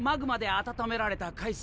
温められた海水？